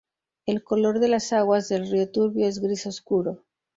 El color de las aguas del río Turbio es gris oscuro.